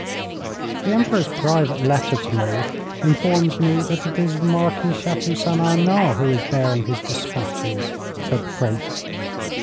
'The Emperor's private letter to me informs me that it is the Marquis Château St Arnaud who is bearing his despatches,' said the Prince.